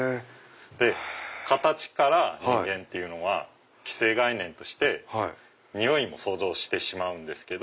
形から人間っていうのは既成概念としてにおいも想像してしまうんですけど。